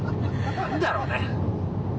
何だろうね？。